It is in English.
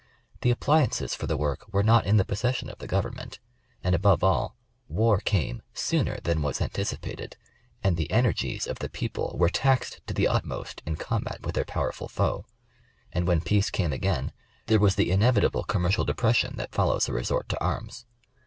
The appliances for the work were not in the possession of the Government, and above all, war came came sooner than was anticipated and the energies of the people were taxed to the utmost in combat with their powerful foe ; and when peace came again, there was the inevitable com mercial depression that follows a resort to arms.